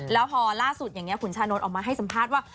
แล้วพอล่าสุดหวุนชานนรดออกมาให้สัมภาษณ์ว่า